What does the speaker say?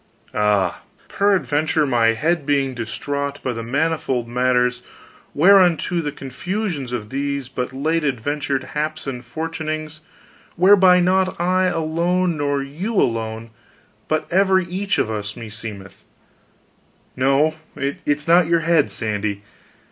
"Ah, peradventure my head being distraught by the manifold matters whereunto the confusions of these but late adventured haps and fortunings whereby not I alone nor you alone, but every each of us, meseemeth " "No, it's not your head, Sandy.